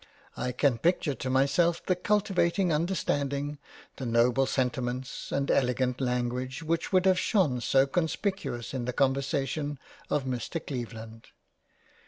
I can picture to myself the cul tivated Understanding, the Noble sentiments, and elegant Language which would have shone so conspicuous in the conversation of Mr Cleveland.